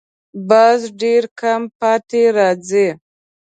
باز ډېر کم پاتې راځي